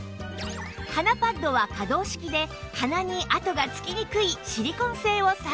鼻パッドは可動式で鼻に跡がつきにくいシリコン製を採用